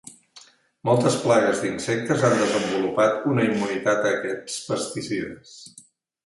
Moltes plagues d"insectes han desenvolupat una immunitat a aquests pesticides.